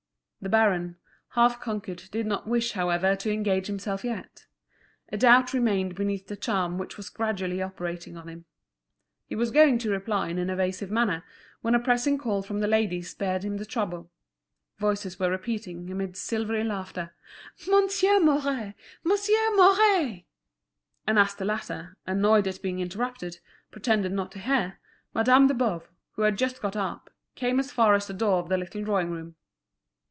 The baron, half conquered, did not wish, however, to engage himself yet. A doubt remained beneath the charm which was gradually operating on him. He was going to reply in an evasive manner, when a pressing call from the ladies spared him the trouble. Voices were repeating, amidst silvery laughter: "Monsieur Mouret! Monsieur Mouret!" And as the latter, annoyed at being interrupted, pretended not to hear, Madame de Boves, who had just got up, came as far as the door of the little drawing room.